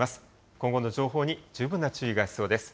今後の情報に十分な注意が必要です。